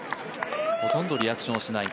ほとんどリアクションをしない。